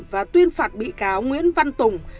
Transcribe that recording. và tuyên phạt bị cáo nguyễn văn tùng